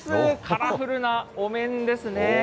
カラフルなお面ですね。